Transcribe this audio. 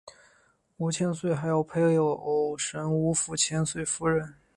吴府千岁还有配偶神吴府千岁夫人。